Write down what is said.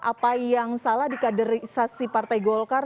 apa yang salah dikaderisasi partai golkar